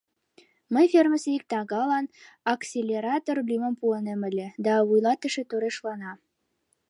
Мый фермысе ик тагалан «акселератор» лӱмым пуынем ыле, да вуйлатыше торешлана.